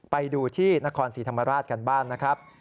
ไปดูที่นครศรีธรรมราชกันบ้างนะครับ